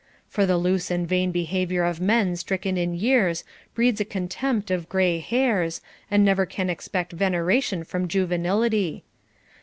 For the loose and vain behavior of men stricken in years breeds a contempt of gray hairs, and never can expect veneration from juve nility.